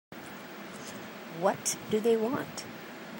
What do they want?